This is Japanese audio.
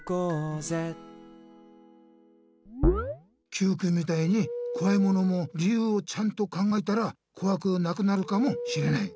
Ｑくんみたいにこわいものも理由をちゃんと考えたらこわくなくなるかもしれない！